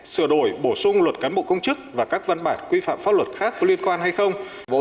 sửa đổi bổ sung luật cán bộ công chức và các văn bản quy phạm pháp luật khác có liên quan hay không